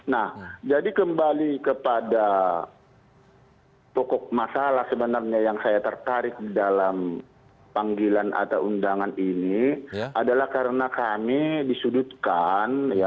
nah jadi kembali kepada pokok masalah sebenarnya yang saya tertarik dalam panggilan atau undangan ini adalah karena kami disudutkan